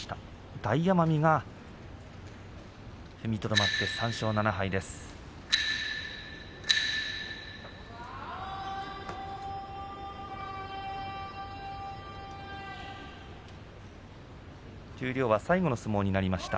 大奄美が踏みとどまって３勝７敗となりました。